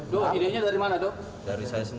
do ide nya dari mana